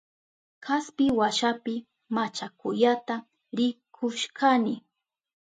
Kaspi washapi machakuyata rikushkani.